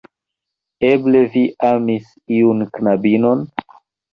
Eble vi amis iun knabinon?